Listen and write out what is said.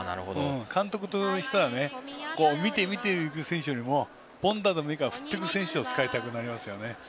監督としたら見て見ていく選手よりも凡打でも振っている選手を使いたくなりますよね。